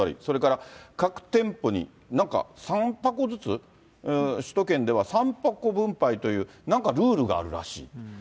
それから各店舗に、なんか３箱ずつ、首都圏では３箱分配という、なんかルールがあるらしい。